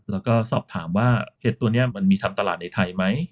แล้วก็สอบถามว่าเห็ดตัวนี้มันมีทำตลาดในไทยไหม